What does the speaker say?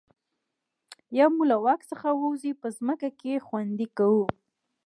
یا مو له واک څخه ووځي په ځمکه کې خوندي کوو.